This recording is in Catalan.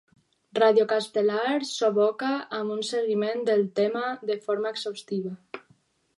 Ràdio Castellar s'aboca amb un seguiment del tema de forma exhaustiva.